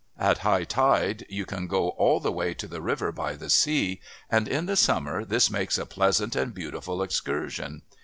At high tide you can go all the way by river to the sea, and in the summer, this makes a pleasant and beautiful excursion.